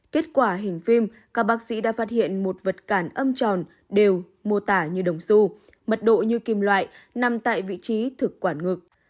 kết quả hình phim các bác sĩ đã phát hiện một vật cản âm tròn đều mô tả như đồng su mật độ như kim loại nằm tại vị trí thực quản ngực